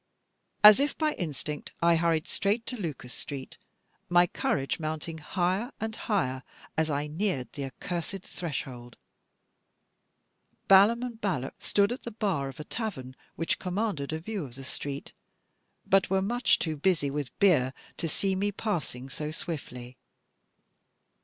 As if by instinct, I hurried straight to Lucas Street, my courage mounting higher and higher as I neared the accursed threshold. Balaam and Balak stood at the bar of a tavern which commanded a view of the street, but were much too busy with beer to see me passing so swiftly.